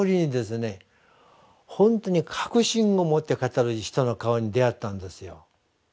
ほんとに確信を持って語る人の顔に出会ったんですよ。